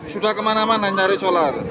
sudah kemana mana nyari solar